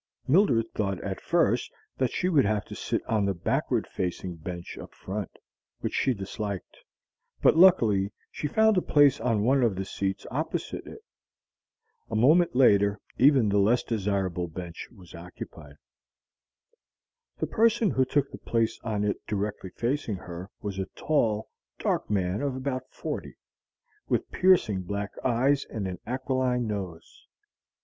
Mildred thought at first that she would have to sit on the backward facing bench up front, which she disliked; but luckily she found a place on one of the seats opposite it. A moment later even the less desirable bench was occupied. The person who took the place on it directly facing her was a tall, dark man of about forty, with piercing black eyes and an aquiline nose.